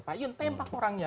pak yun tembak orangnya